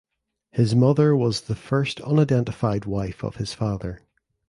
His mother was the first unidentified wife of his father.